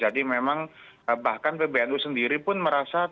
jadi memang bahkan pbnu sendiri pun merasa tidak boleh gitu